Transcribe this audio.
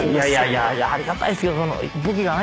いやいやありがたいっすけど。